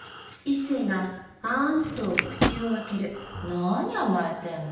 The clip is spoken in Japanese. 何甘えてるの？